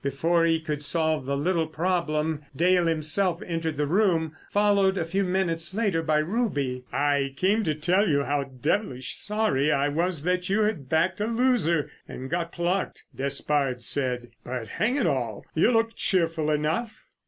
Before he could solve the little problem Dale himself entered the room, followed a few minutes later by Ruby. "I came to tell you how devilish sorry I was that you had backed a loser and got plucked," Despard said; "but, hang it all, you look cheerful enough!"